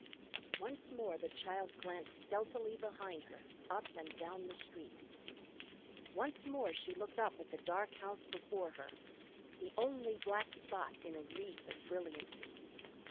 Once more the child glanced stealthily behind her, up and down the street. Once more she looked up at the dark house before her, the only black spot in a wreath of brilliancy.